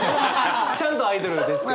ちゃんとアイドルです。